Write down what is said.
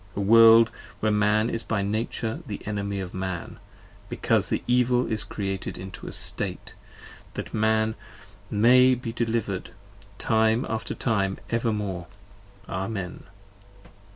A World where Man is by Nature the Enemy of Man, 70 Because the Evil is Created into a State, that Men May be deliver'd time after time, evermore. Amen.